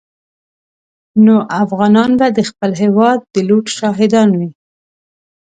نو افغانان به د خپل هېواد د لوټ شاهدان وي.